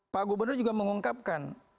pak gubernur juga mengungkapkan